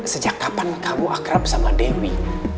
sejak kapan kamu akrab sama dewi